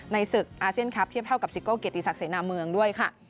ศึกอาเซียนคลับเทียบเท่ากับซิโก้เกียรติศักดิเสนาเมืองด้วยค่ะ